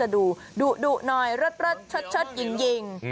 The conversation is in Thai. ดูหน่อยเลิศเชิดยิ่ง